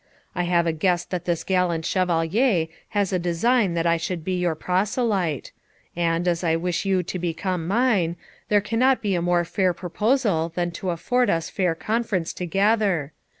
I have a guess that this gallant Chevalier has a design that I should be your proselyte; and, as I wish you to be mine, there cannot be a more fair proposal than to afford us fair conference together.